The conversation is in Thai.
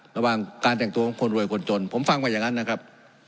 ระหว่างการแต่งตัวของคนรวยคนจนผมฟังไว้อย่างนั้นนะครับ